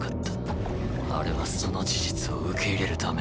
あれはその事実を受け入れるためのゴール。